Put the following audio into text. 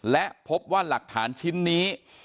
และพบว่าหลักฐานชิ้นนี้